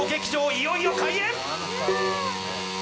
いよいよ開演！